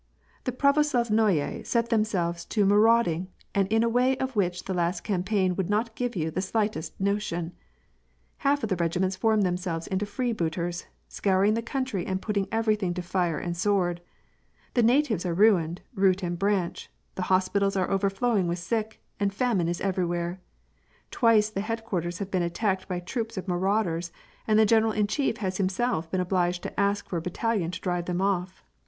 The pravoslavnoye set themselves to ma rauding, and in a way of which the last campaign would not give yon the slightest notion. Half of the regiments form themselves into freebooters, scouring the country and putting everything to fire and sword. The na tives are ruined, root and branch ; the hospitals are overflowing with sick* and famine is everywhere. Twice the headquarters have been attacked by troops of marauders, and the general in chief has himself been obliged to ask for a battalion to drive them off.